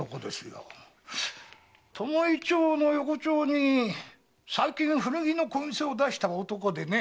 巴町の横町に最近古着の小店を出した男でね。